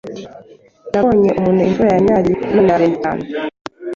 Nabonye ,umuntu imvura yanyagiye none yarembye cyane